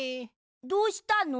どうしたの？